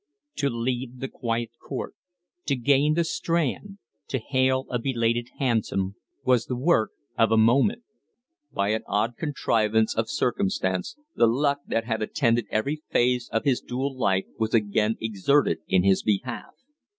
To leave the quiet court, to gain the Strand, to hail a belated hansom was the work of a moment. By an odd contrivance of circumstance, the luck that had attended every phase of his dual life was again exerted in his behalf.